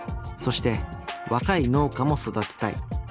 そして若い農家も育てたい。